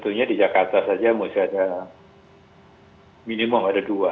tentunya di jakarta saja mesti ada minimum ada dua